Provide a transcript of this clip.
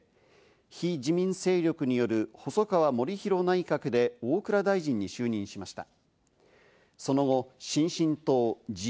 非自民勢力による細川護熙内閣で大蔵大臣に就任しました。